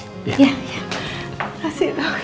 makasih ya dok